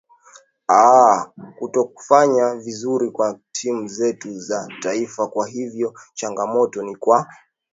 aa kutokufanya vizuri kwa timu zetu za taifa kwa hivyo changamoto ni kwa